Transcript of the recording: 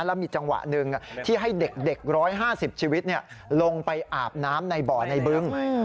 แล้วมีจังหวะหนึ่งที่ให้เด็ก๑๕๐ชีวิตลงไปอาบน้ำในบ่อในบึง